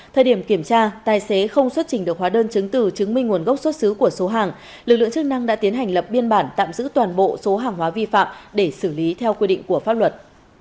thời điểm kiểm tra tài xế không xuất trình được hóa đơn chứng từ chứng minh nguồn gốc xuất xứ của số hàng lực lượng chức năng đã tiến hành lập biên bản tạm giữ toàn bộ số hàng hóa vi phạm để xử lý theo quy định của pháp luật